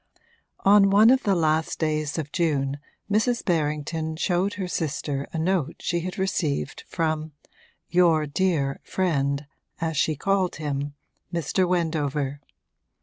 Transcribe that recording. XI On one of the last days of June Mrs. Berrington showed her sister a note she had received from 'your dear friend,' as she called him, Mr. Wendover.